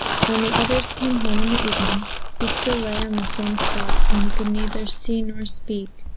When the others came home in the evening, he still lay on the same spot and could neither see nor speak.